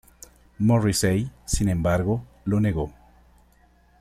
Morrissey, sin embargo, lo negó.